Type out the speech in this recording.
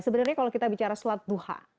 sebenarnya kalau kita bicara sholat duhan